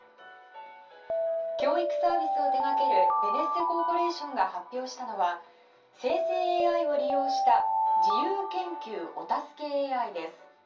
教育サービスを手掛けるベネッセコーポレーションが発表したのは生成ＡＩを利用した自由研究お助けＡＩです。